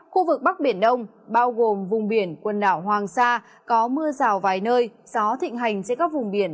khu vực bắc biển đông bao gồm vùng biển quần đảo hoàng sa có mưa rào vài nơi gió thịnh hành trên các vùng biển